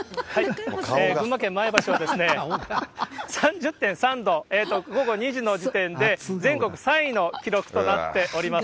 群馬県前橋は３０．３度、午後２時の時点で、全国３位の記録となっております。